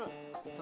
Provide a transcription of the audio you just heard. gue mau kasih tau